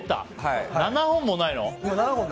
７本もないの？